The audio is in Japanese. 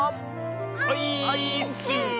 オイーッス！